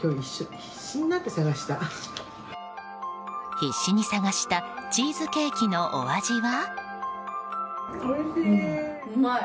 必死に探したチーズケーキのお味は？